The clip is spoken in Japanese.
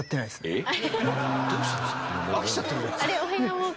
えっ！